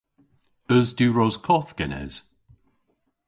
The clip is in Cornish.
Eus diwros koth genes?